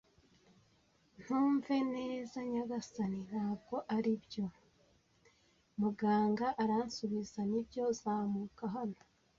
ntumve neza, nyagasani. ” “Ntabwo ari byo?” muganga aramusubiza. “Nibyo, zamuka hano,